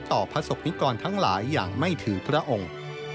พระศกนิกรทั้งหลายอย่างไม่ถือพระองค์